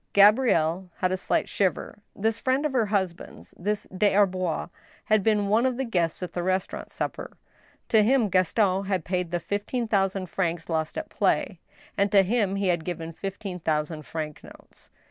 Gabrielle had a slight shiver. This friend of her husband's — this Des Arbois— had been one of the guests at the restaurant supper. To him Gaston had paid the fifteen thousand francs lost at play, and to him he had given fifteen thousand franc notes.